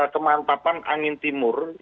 kemantapan angin timur